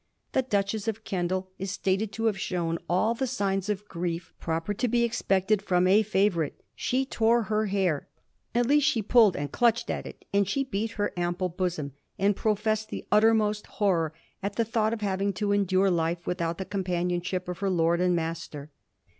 The Duchess of Kendal is stated to have shown all the signB of grief proper to be expected from a favourite. She tore her hair — at least she pulled and clutched at it — and she beat her ample bosom, and professed the uttermost horror at the thought of having to endure life without the companionship of her lord and master.